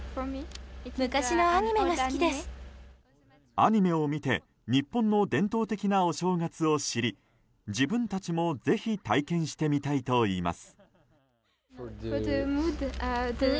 アニメを見て日本の伝統的なお正月を知り自分たちもぜひ体験してみたいといいます。